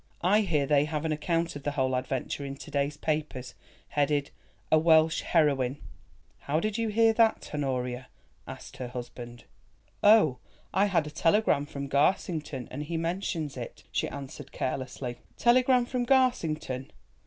I hear they have an account of the whole adventure in to day's papers, headed, 'A Welsh Heroine.'" "How did you hear that, Honoria?" asked her husband. "Oh, I had a telegram from Garsington, and he mentions it," she answered carelessly. "Telegram from Garsington!